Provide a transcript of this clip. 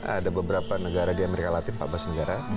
ada beberapa negara di amerika latin empat belas negara